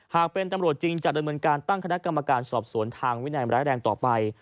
หากเป็นตำรวจจริงจะดำเนินการตั้งคณะกรรมการสอบสวนทางวินัยร้ายแรงต่อไป